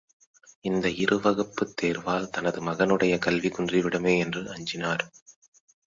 இந்த இருவகுப்புத் தேர்வால் தனது மகனுடைய கல்வி குன்றி விடுமே என்று அஞ்சினார்.